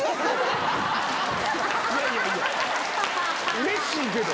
うれしいけど！